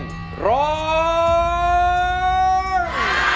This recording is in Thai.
จริง